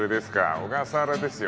小笠原ですよ